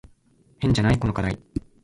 変じゃない？この課題。